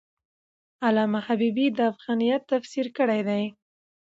علامه حبیبي د افغانیت تفسیر کړی دی.